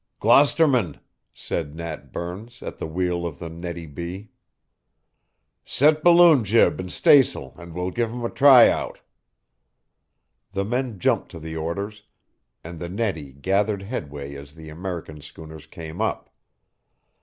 "Gloucestermen!" said Nat Burns at the wheel of the Nettie B. "Set balloon jib and stays'l and we'll give 'em a try out." The men jumped to the orders, and the Nettie gathered headway as the American schooners came up.